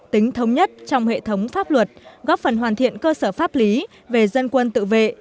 tính thống nhất trong hệ thống pháp luật góp phần hoàn thiện cơ sở pháp lý về dân quân tự vệ